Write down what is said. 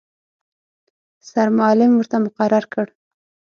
سرمعلم ورته مقرر کړ.